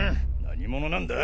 何者なんだ。